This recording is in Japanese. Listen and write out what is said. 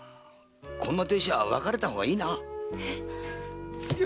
こんな亭主は別れたほうがいいな。